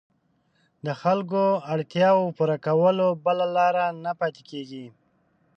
د خلکو اړتیاوو پوره کولو بله لاره نه پاتېږي.